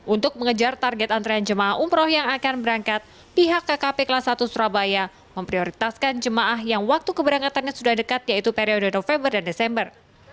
untuk mengejar target antrean jemaah umroh yang akan berangkat pihak kkp kelas satu surabaya memprioritaskan jemaah yang waktu keberangkatannya sudah dekat yaitu periode november dan desember